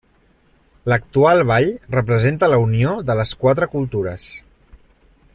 L’actual ball representa la unió de les quatre cultures.